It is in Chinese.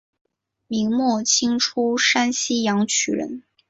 明末清初山西阳曲人。